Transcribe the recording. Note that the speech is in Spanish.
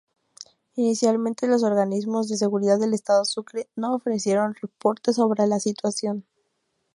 Inicialmente, los organismos de seguridad del estado Sucre no ofrecieron reportes sobre la situación.